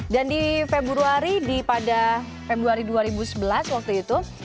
dan di februari pada februari dua ribu sebelas waktu itu